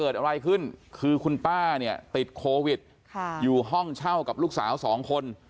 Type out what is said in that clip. ช่างกับลูกสาว๒คน